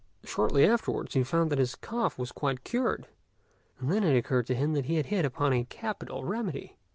Shortly afterwards he found that his cough was quite cured, and then it occurred to him that he had hit upon a capital remedy.